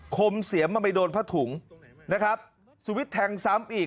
คมเสียมมันไปโดนผ้าถุงนะครับสวิตช์แทงซ้ำอีก